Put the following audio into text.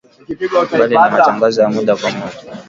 Mbali na matangazo ya moja kwa moja